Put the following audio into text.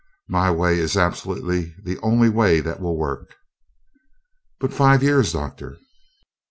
My way is absolutely the only way that will work." "But five years, Doctor!"